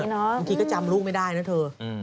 บางทีก็จำลูกไม่ได้นะเธอ